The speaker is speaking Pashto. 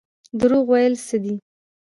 دروغ ویل څه دي؟